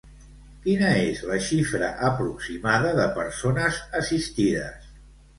Quina és la xifra aproximada de persones assistides?